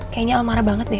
kayaknya al marah banget deh